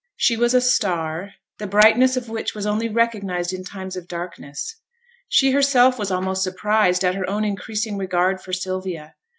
She was a star, the brightness of which was only recognized in times of darkness. She herself was almost surprised at her own increasing regard for Sylvia.